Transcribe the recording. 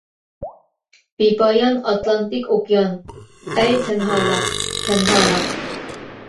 بىپايان ئاتلانتىك ئوكيان ئەي تەنھالىق، تەنھالىق.